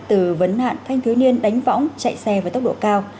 từ vấn nạn thanh thiếu niên đánh võng chạy xe với tốc độ cao